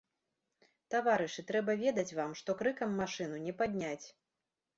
Таварышы, трэба ведаць вам, што крыкам машыну не падняць.